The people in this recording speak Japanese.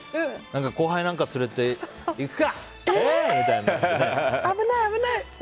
後輩なんかを連れて行くか！